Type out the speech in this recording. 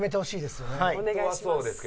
お願いします。